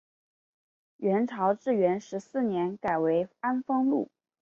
元朝至元十四年改为安丰路。